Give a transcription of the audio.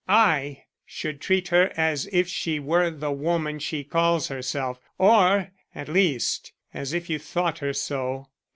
"I should treat her as if she were the woman she calls herself, or, at least, as if you thought her so.